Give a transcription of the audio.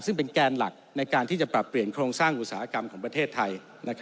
ซึ่งเป็นแกนหลักในการที่จะปรับเปลี่ยนโครงสร้างอุตสาหกรรมของประเทศไทย